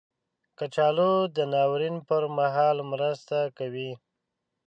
کچالو د ناورین پر مهال مرسته کوي